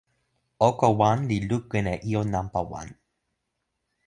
oko wan li lukin e ijo nanpa wan.